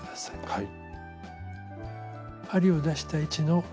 はい。